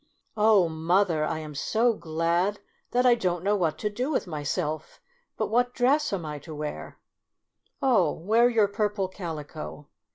" Oh mother, I am so glad that I don't know what to do with myself ; but what dress am I to wear 1 "" Oh, wear your purple calico."